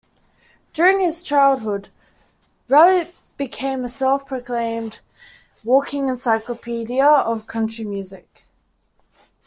During his childhood Rabbitt became a self-proclaimed "walking encyclopedia of country music".